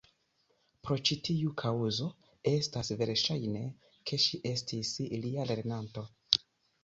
Pro ĉi tiu kaŭzo estas verŝajne, ke ŝi estis lia lernanto.